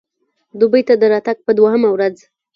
دوبۍ ته د راتګ په دوهمه ورځ.